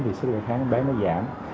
thì sức đề kháng của em bé nó giảm